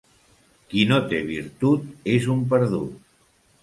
Qui no té virtut és un perdut.